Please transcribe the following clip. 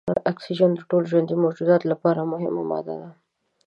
اکسیجن د ټولو ژوندیو موجوداتو لپاره مهمه ماده ده.